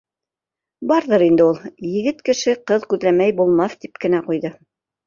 — Барҙыр инде ул. Егет кеше ҡыҙ күҙләмәй булмаҫ, — тип кенә ҡуйҙы.